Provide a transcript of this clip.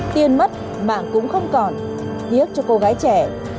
tiền mất mạng cũng không còn tiếc cho cô gái trẻ